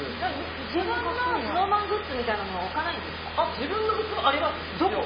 自分のＳｎｏｗＭａｎグッズみたいなのは自分のグッズもあります、一応。